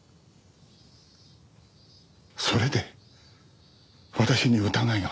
それで私に疑いが？